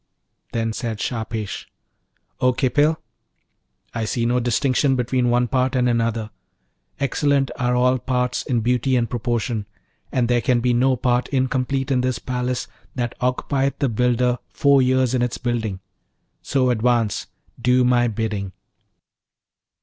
Then said Shahpesh, 'O Khipil, I see no distinction between one part and another; excellent are all parts in beauty and proportion, and there can be no part incomplete in this palace that occupieth the builder four years in its building: so advance, do my bidding.'